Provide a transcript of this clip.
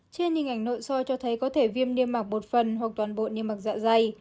trên hình ảnh nội soi cho thấy có thể viêm niêm mạc một phần hoặc toàn bộ niêm mạc dạ dày